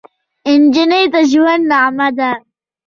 نجلۍ د ژونده نغمه ده.